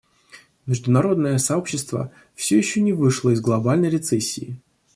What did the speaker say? Международное сообщество все еще не вышло из глобальной рецессии.